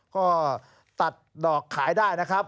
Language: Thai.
ก็ตัดดอกขายได้นะครับ